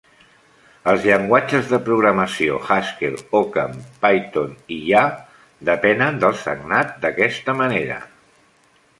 Els llenguatges de programació Haskell, Occam, Python i Ya depenen del sagnat d'aquesta manera.